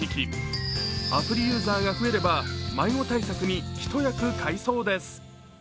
アプリユーザーが増えれば迷子対策に一役買いそうです。